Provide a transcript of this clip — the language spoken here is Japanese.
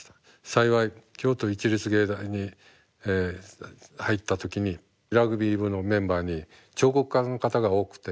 幸い京都市立芸大に入った時にラグビー部のメンバーに彫刻家の方が多くて。